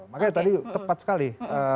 makanya tadi tepat sekali